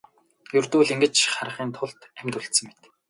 Ердөө л ингэж харахын тулд амьд үлдсэн мэт.